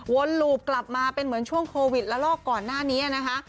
หลูบกลับมาเป็นเหมือนช่วงโควิดละลอกก่อนหน้านี้นะคะ